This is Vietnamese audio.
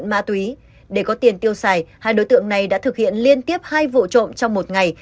ma túy để có tiền tiêu xài hai đối tượng này đã thực hiện liên tiếp hai vụ trộm trong một ngày